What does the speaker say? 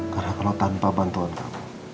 karena kalau tanpa bantuan kami